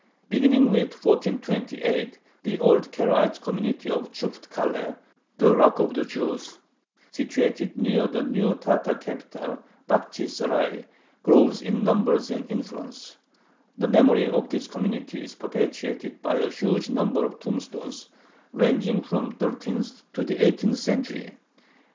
Beginning with 1428, the old Karaite community of Chufut Kale ("the Rock of the Jews"), situated near the new Tatar capital, Bakhchi Sarai, grows in numbers and influence. The memory of this community is perpetuated by a huge number of tombstones, ranging from the thirteenth to the eighteenth century.